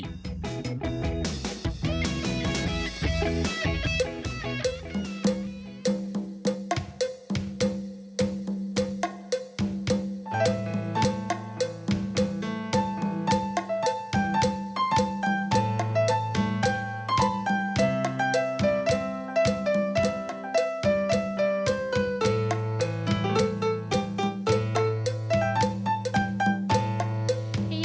โรงแรม